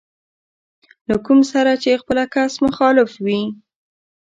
له کوم سره چې خپله کس مخالف وي.